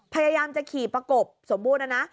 พยายามจะขี่ประกบสมบูรณ์นะนะ